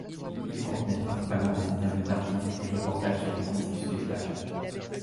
Il contenait principalement des interviews d'artistes et reportages sur les coulisses du spectacle.